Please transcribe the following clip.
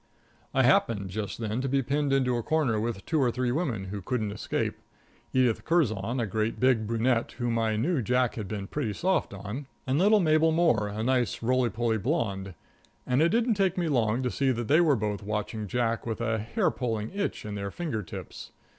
I happened just then to be pinned into a corner with two or three women who couldn't escape Edith Curzon, a great big brunette whom I knew Jack had been pretty soft on, and little Mabel Moore, a nice roly poly blonde, and it didn't take me long to see that they were watching Jack with a hair pulling itch in their finger tips.